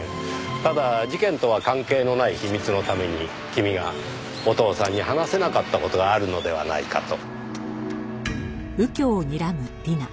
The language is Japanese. ただ事件とは関係のない秘密のために君がお父さんに話せなかった事があるのではないかと。